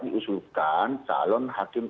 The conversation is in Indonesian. diusulkan calon hakim